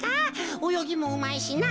およぎもうまいしな。